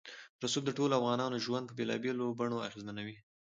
رسوب د ټولو افغانانو ژوند په بېلابېلو بڼو اغېزمنوي.